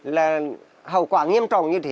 là hậu quả nghiêm trọng như thế